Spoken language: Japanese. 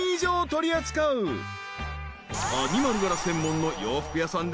［アニマル柄専門の洋服屋さん］